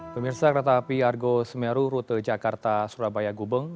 pemirsa kereta api argo semeru rute jakarta surabaya gubeng